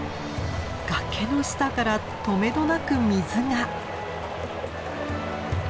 崖の下からとめどなく水が！